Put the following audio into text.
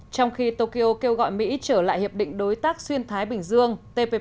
trong khi tokyo kêu gọi mỹ trở lại hiệp định đối tác xuyên thái bình dương tpp